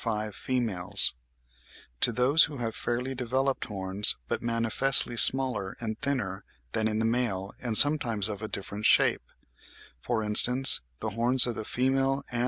105.))—to those which have fairly developed horns, but manifestly smaller and thinner than in the male and sometimes of a different shape (12. For instance the horns of the female Ant.